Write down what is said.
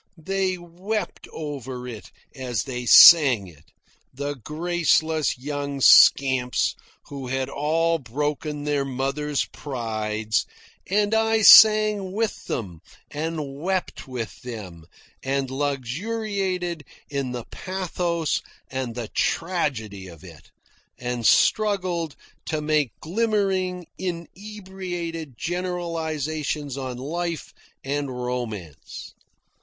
They wept over it as they sang it, the graceless young scamps who had all broken their mothers' prides, and I sang with them, and wept with them, and luxuriated in the pathos and the tragedy of it, and struggled to make glimmering inebriated generalisations on life and romance.